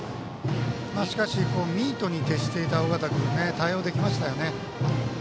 しかしミートに徹していた緒方君対応できましたよね。